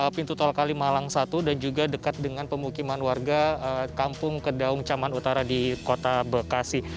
pintu tol kalimalang satu dan juga dekat dengan pemukiman warga kampung kedaung caman utara di kota bekasi